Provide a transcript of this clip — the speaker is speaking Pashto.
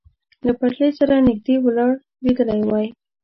له پټلۍ سره نږدې ولاړ لیدلی وای.